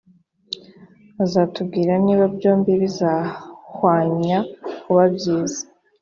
azatubwira niba byombi bizahwanya kuba byiza